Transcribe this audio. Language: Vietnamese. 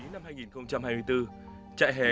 năm hai nghìn hai mươi bốn chạy hè